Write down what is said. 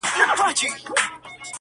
هر کله راته راسي هندوسوز په سجده کي،